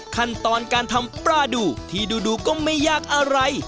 ขั้นตอนการทำปลาดูที่ดูก็ไม่ยากอะไร